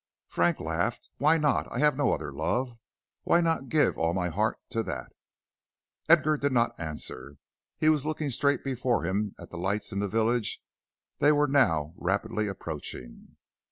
Frank laughed. "Why not? I have no other love, why not give all my heart to that?" Edgar did not answer; he was looking straight before him at the lights in the village they were now rapidly approaching.